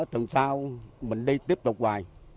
tuần sau mình đi tiếp tục hoài